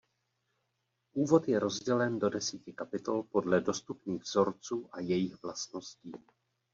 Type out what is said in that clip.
Úvod je rozdělen do desíti kapitol podle dostupných vzorců a jejich vlastností.